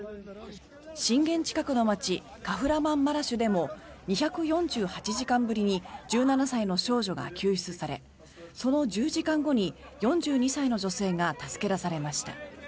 震源近くの街カフラマンマラシュでも２４８時間ぶりに１７歳の少女が救出されその１０時間後に４２歳の女性が助け出されました。